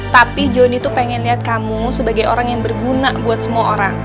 tapi johnny itu pengen lihat kamu sebagai orang yang berguna buat semua orang